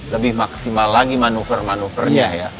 lebih maksimal lagi manuver manuver nya ya